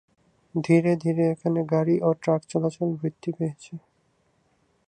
ধীরে ধীরে এখানে গাড়ি ও ট্রাক চলাচল বৃদ্ধি পেয়েছে।